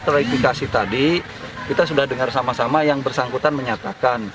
ketika kita telah diklarifikasi tadi kita sudah dengar sama sama yang bersangkutan menyatakan